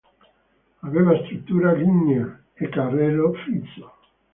Aveva struttura lignea e carrello fisso.